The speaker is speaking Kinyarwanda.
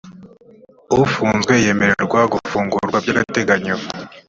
ufunzwe yemererwa gufungurwa by’agateganyo